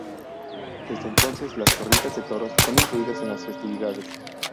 Desde entonces las corridas de toros son incluidas en las festividades.